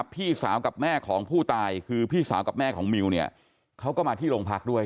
พี่สาวกับแม่ของผู้ตายคือพี่สาวกับแม่ของมิวเนี่ยเขาก็มาที่โรงพักด้วย